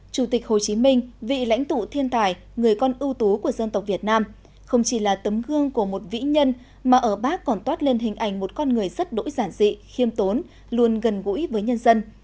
chủ tịch hồ chí minh vị lãnh tụ thiên tài người con ưu tú của dân tộc việt nam không chỉ là tấm gương của một vĩ nhân mà ở bác còn toát lên hình ảnh một con người rất đỗi giản dị khiêm tốn luôn gần gũi với nhân dân